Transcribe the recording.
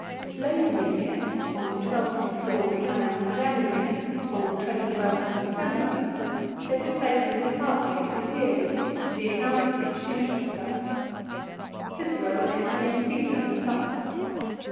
Late in the year, on the 12th before the calends of January, . or the 21st of December. there took place a little 13. t>. 40> setat. 62. p ar ^y a t Puteoli, the account of which interests us. Cicero entertained Csesar to supper.